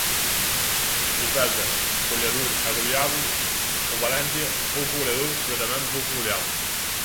O Celta, goleador e goleado; o Valencia, pouco goleador pero tamén pouco goleado.